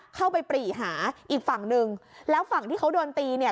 ปรีหาอีกฝั่งหนึ่งแล้วฝั่งที่เขาโดนตีเนี่ย